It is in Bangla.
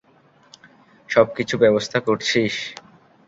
সবকিছু ব্যাব্স্থা করছিস?